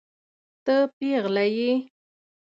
ته پيغله يې.